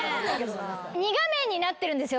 ２画面になってるんですよ。